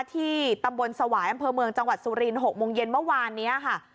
ที่ตำบลสวายอำเภอเมืองจังหวัดสุริน๖โมงเย็นเมื่อวานนี้ค่ะ